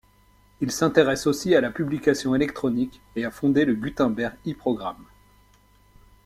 Il s’intéresse aussi à la publication électronique et a fondé le Gutenberg-e Program.